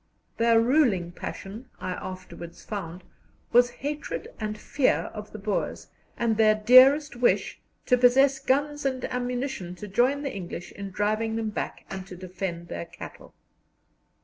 Their ruling passion, I afterwards found, was hatred and fear of the Boers, and their dearest wish to possess guns and ammunition to join the English in driving them back and to defend their cattle.